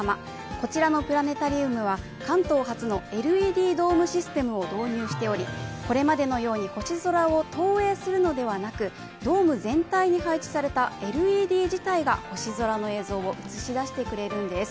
こちらのプラネタリウムは関東初のＬＥＤシステムを導入しており、これまでのように星空を投影するのではなく、ドーム全体に配置されたＬＥＤ自体が星空の映像を映し出してくれるんです。